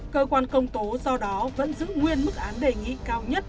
cơ quan công tố do đó vẫn giữ nguyên mức án đề nghị cao nhất